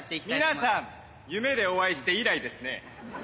皆さん夢でお会いして以来ですね。